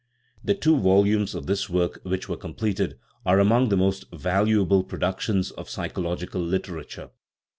The two volumes of this work which were com pleted are among the most valuable productions of psychological literature.